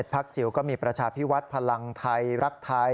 ๑๑ภักดิ์จิ๋วก็มีภักดิ์พลังไทยภักดิ์พลังรักไทย